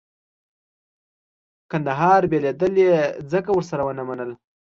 کندهار بېلېدل یې ځکه ورسره ونه منل.